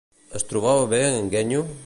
Es trobava bé en Guenyo?